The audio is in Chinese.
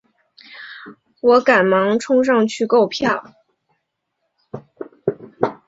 我赶忙冲上去购票